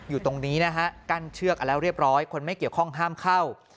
อยู่ตรงนี้นะฮะกั้นเชือกกันแล้วเรียบร้อยคนไม่เกี่ยวข้องห้ามเข้า